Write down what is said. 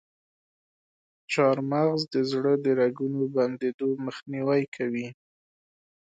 چارمغز د زړه د رګونو بندیدو مخنیوی کوي.